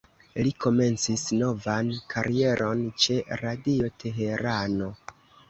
Li komencis novan karieron ĉe "Radio Teherano".